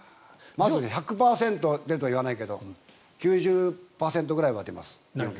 １００％でとは言わないけど９０％ぐらいは出ます。